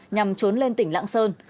nhằm trốn lên tỉnh lạng sơn